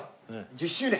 １０周年！